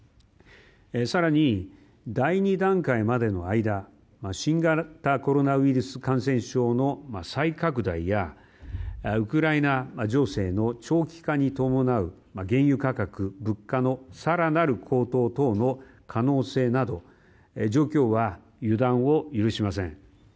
更に第２段階までの間新型コロナウイルス感染症の再拡大やウクライナ情勢の長期化に伴う原油価格、物価の更なる高騰等の可能性など状況は予断を許しません。